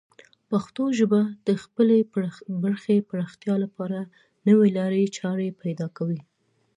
پښتو ژبه د خپلې برخې پراختیا لپاره نوې لارې چارې پیدا کوي.